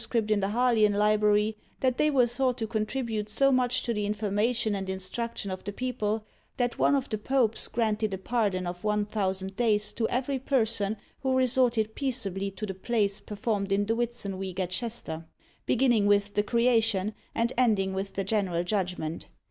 in the Harleian library, that they were thought to contribute so much to the information and instruction of the people, that one of the Popes granted a pardon of one thousand days to every person who resorted peaceably to the plays performed in the Whitsun week at Chester, beginning with "The Creation," and ending with the "General Judgment."